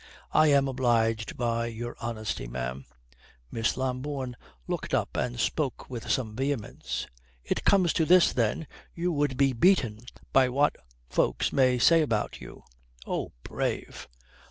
"I am obliged by your honesty, ma'am." Miss Lambourne looked up and spoke with some vehemence. "It comes to this, then, you would be beaten by what folks may say about you. Oh, brave!"